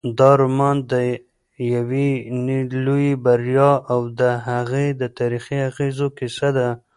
دا رومان د یوې لویې بریا او د هغې د تاریخي اغېزو کیسه ده.